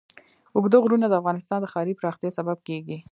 اوږده غرونه د افغانستان د ښاري پراختیا سبب کېږي.